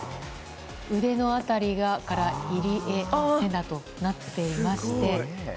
腕の辺りから入江聖奈となっていまして。